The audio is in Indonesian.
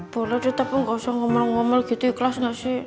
boleh deh tapi gak usah ngomel ngomel gitu ya ikhlas gak sih